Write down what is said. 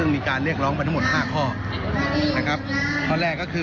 มีการเรียกร้องไปทั้งหมด๕ข้อ